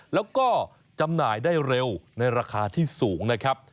แล้วก็จำหน่ายได้เร็วในราคาที่สูงนะครับ